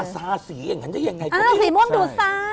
สาสีอย่างนั้นจะยังไงกว่านี้